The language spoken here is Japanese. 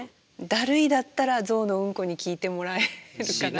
「だるい」だったら象のうんこに聞いてもらえるかなっていう。